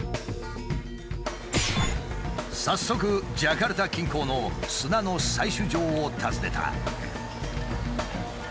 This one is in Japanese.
早速ジャカルタ近郊の砂の採取場を訪ねた。